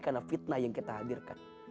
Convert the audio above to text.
karena fitnah yang kita hadirkan